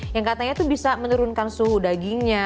yang katanya itu bisa menurunkan suhu dagingnya